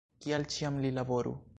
Kial ĉiam li laboru!